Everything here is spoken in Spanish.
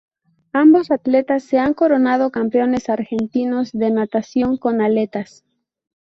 Ambos atletas se han coronado campeones argentinos de natación con aletas.